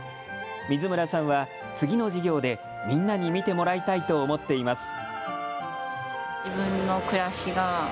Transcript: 水村さんは次の授業でみんなに見てもらいたいと思っています。